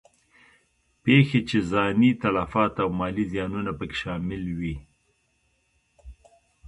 پېښې چې ځاني تلفات او مالي زیانونه په کې شامل وي.